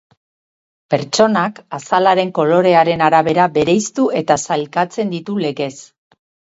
Pertsonak azalaren kolorearen arabera bereiztu eta sailkatzen ditu legez.